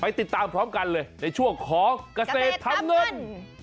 ติดตามพร้อมกันเลยในช่วงของเกษตรทำเงิน